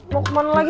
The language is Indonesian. mau kemana lagi